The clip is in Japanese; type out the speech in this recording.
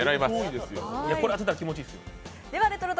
これ当てたら気持ちいいですよ。